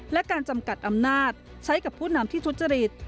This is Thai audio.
และการจำกัดอำนาจใช้กับผู้นำที่ทุจริต